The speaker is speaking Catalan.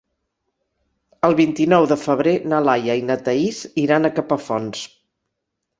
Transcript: El vint-i-nou de febrer na Laia i na Thaís iran a Capafonts.